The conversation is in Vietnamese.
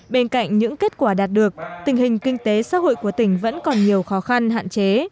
bên cạnh những kết quả đạt được tình hình kinh tế xã hội của tỉnh vẫn còn nhiều khó khăn hạn chế